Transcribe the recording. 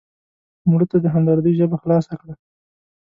مړه ته د همدردۍ ژبه خلاصه کړه